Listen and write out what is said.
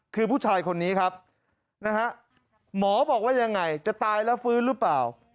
คือผู้ชายคนนี้ครับนะฮะหมอบอกว่ายังไงจะตายแล้วฟื้นหรือเปล่า